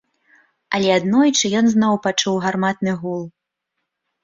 Але аднойчы ён зноў пачуў гарматны гул.